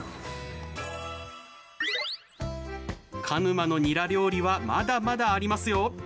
鹿沼のニラ料理はまだまだありますよ！